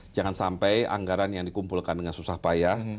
jangan sampai anggaran yang dikumpulkan dengan susah payah